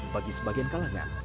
bagi sebagian kalangan